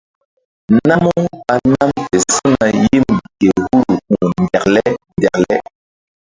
Namu ɓa nam fe su̧na yim ke huru ku̧h ndekle ndekle.